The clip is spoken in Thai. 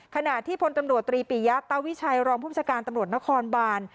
ขณะที่พลตำรวจตรีปิยะตาวิชัยรองผู้บัญชาการตำรวจนครบาน